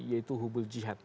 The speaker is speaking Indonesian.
yaitu hubul jihad